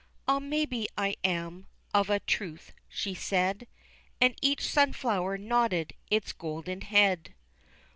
"Ah, maybe I am, of a truth," she said, And each sunflower nodded its golden head.